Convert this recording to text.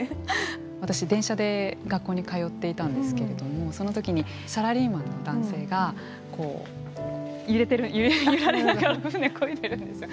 私電車で学校に通っていたんですけれどもその時にサラリーマンの男性がこう揺れてる揺られながら舟こいでるんですよ。